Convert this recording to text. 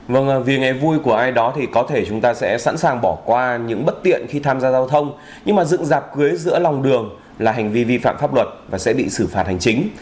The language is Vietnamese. vâng vì ngày vui của ai đó thì có thể chúng ta sẽ sẵn sàng bỏ qua những bất tiện khi tham gia giao thông nhưng mà dựng dạp cưới giữa lòng đường là hành vi vi phạm pháp luật và sẽ bị xử phạt hành chính